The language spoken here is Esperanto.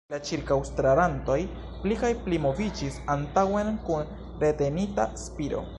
La ĉirkaŭstarantoj pli kaj pli moviĝis antaŭen kun retenita spiro.